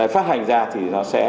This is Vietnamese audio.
phát hành ra thì nó sẽ